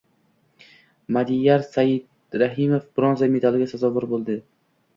Madiyar Saidrahimov bronza medaliga sazovor bo‘lding